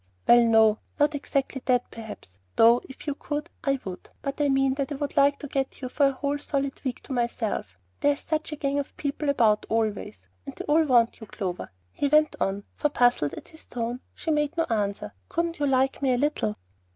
"Well, no; not exactly that perhaps, though if you could, I would. But I mean that I would like to get you for a whole solid week to myself. There is such a gang of people about always, and they all want you. Clover," he went on, for, puzzled at his tone, she made no answer, "couldn't you like me a little?"